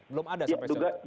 belum ada sampai sekarang